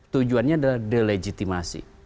tujuannya adalah delegitimasi